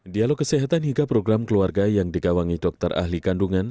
dialog kesehatan hingga program keluarga yang digawangi dokter ahli kandungan